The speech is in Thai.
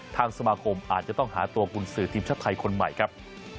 ทางสมาคมอาจจะต้องหาตัวกุญสือทีมชาติไทยคนใหม่ครับ